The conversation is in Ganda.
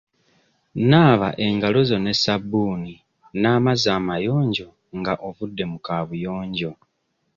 Naaba engalo zo ne ssabbuuni n'amazzi amayonjo nga ovudde mu kaabuyonjo.